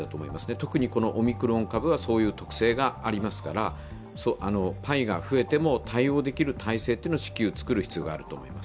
特にオミクロン株はそういう特性がありますからパイが増えても対応できる体制を至急作ることだと思います。